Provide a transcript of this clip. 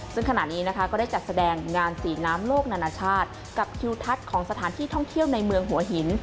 ซึ่งขณะนี้นะคะก็ได้จัดแสดงงานสีน้ำโลกนานาชาติกับทิวทัศน์ของสถานที่ท่องเที่ยวในเมืองหัวหิน